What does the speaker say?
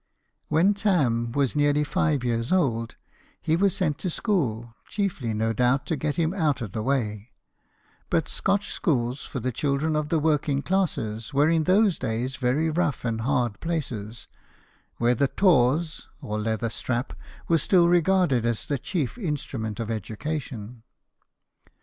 When Tarn was nearly five years old, he was sent to school, chiefly no doubt to get him out of the way ; but Scotch schools for the children of the working classes were in those days very rough hard places, where the taws or leather strap was still regarded as the chief instrument of education.